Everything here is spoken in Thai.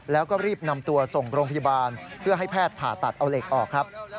แล้วก็รีบนำตัวส่งโรงพยาบาลเพื่อให้แพทย์ผ่าตัดเอาเหล็กออกครับ